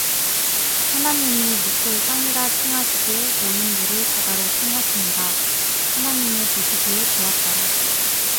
하나님이 뭍을 땅이라 칭하시고 모인 물을 바다라 칭하시니라 하나님의 보시기에 좋았더라